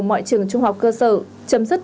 mọi trường trung học cơ sở chấm dứt